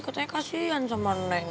katanya kasian sama neng